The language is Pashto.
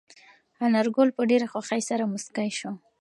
انارګل په ډېرې خوښۍ سره موسکی شو.